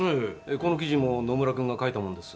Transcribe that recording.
この記事も野村君が書いたものです。